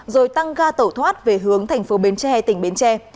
rồi tăng ga tẩu thoát về hướng thành phố bến tre tỉnh bến tre